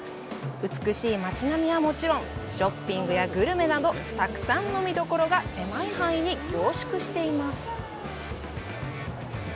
美しい街並みはもちろん、ショッピングやグルメなどたくさんの見どころが狭い範囲に凝縮しています。